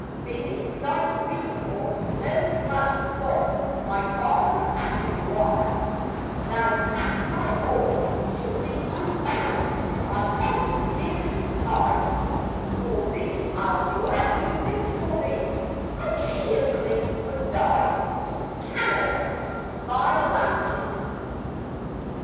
Beneath thy green or snow clad sod My fathers' ashes lie; Thou hast my all, to thee I'm bound By every dearest tie; For thee I'll gladly live, for thee I cheerfully would die, Canada, my land.